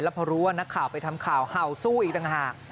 พอรู้ว่านักข่าวไปทำข่าวเห่าสู้อีกต่างหาก